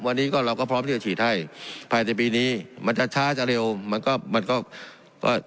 วันนี้ก็เราก็พร้อมที่จะฉีดให้ภายในปีนี้มันจะช้าจะเร็วมันก็มันก็